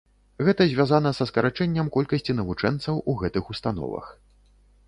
Гэта звязана са скарачэнням колькасці навучэнцаў у гэтых установах.